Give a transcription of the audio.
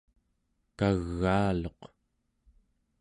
kagaaluq